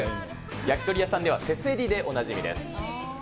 焼き鳥屋さんではせせりでおなじみです。